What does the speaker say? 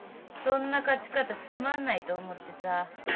そんな勝ち方つまんないと思ってさ。